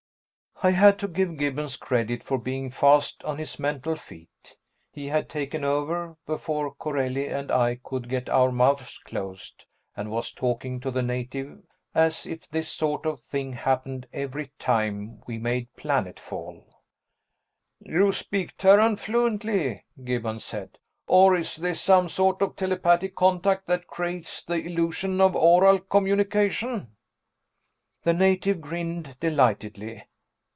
I had to give Gibbons credit for being fast on his mental feet; he had taken over before Corelli and I could get our mouths closed, and was talking to the native as if this sort of thing happened every time we made planetfall. "You speak Terran fluently," Gibbons said. "Or is this some sort of telepathic contact that creates the illusion of oral communication?" The native grinned delightedly.